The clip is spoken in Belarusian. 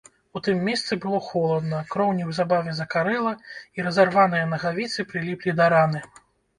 У тым месцы было холадна, кроў неўзабаве закарэла, і разарваныя нагавіцы прыліплі да раны.